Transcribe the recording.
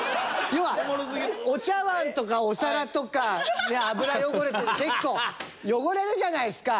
要はお茶碗とかお皿とか油汚れてる結構汚れるじゃないですか。